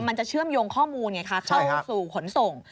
มันจะเชื่อมโยงข้อมูลโทรสู่ขนส่ง